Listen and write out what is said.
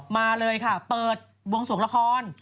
มาเลยค่ะเปิดวงสวงละคร